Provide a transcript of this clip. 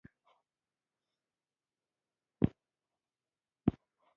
اباد: چاغ، موړ، دولتمن، ودان